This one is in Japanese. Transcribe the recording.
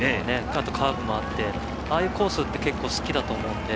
あとカーブもあってああいうコースって結構、好きだと思うので。